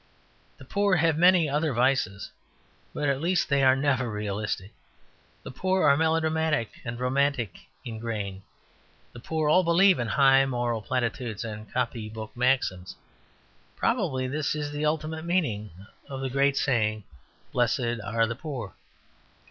The poor have many other vices, but, at least, they are never realistic. The poor are melodramatic and romantic in grain; the poor all believe in high moral platitudes and copy book maxims; probably this is the ultimate meaning of the great saying, "Blessed are the poor."